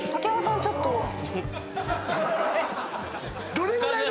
どれぐらいの。